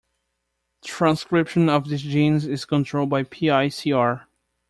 Transcription of these genes is controlled by "PlcR".